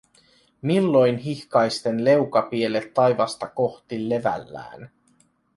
Milloin hihkaisten leukapielet taivasta kohti levällään.